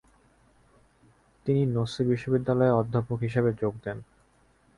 তিনি নঁসি বিশ্ববিদ্যালয়ে অধ্যাপক হিসাবে যোগ দেন।